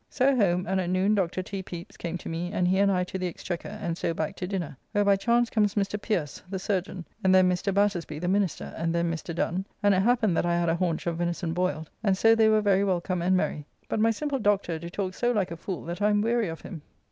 So home, and at noon Dr. T. Pepys came to me, and he and I to the Exchequer, and so back to dinner, where by chance comes Mr. Pierce, the chyrurgeon, and then Mr. Battersby, the minister, and then Mr. Dun, and it happened that I had a haunch of venison boiled, and so they were very wellcome and merry; but my simple Dr. do talk so like a fool that I am weary of him.